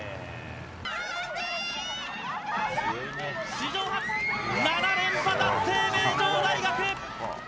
史上初７連覇達成、名城大学！